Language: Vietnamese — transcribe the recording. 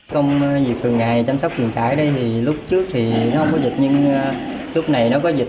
công việc thường ngày chăm sóc vệ sinh trải lúc trước thì nó không có dịch nhưng lúc này nó có dịch